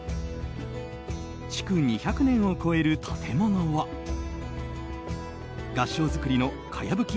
築２００年を超える建物は合掌造りのかやぶき